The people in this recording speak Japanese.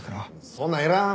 そんなんいらん！